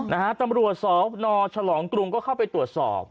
นะฮะตำรวจสนฉลองกรุงก็เข้าไปตรวจสอบ